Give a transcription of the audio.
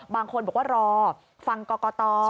บางคนบอกว่ารอฟังกรกต